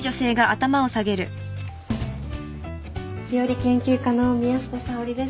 料理研究家の宮下紗織です。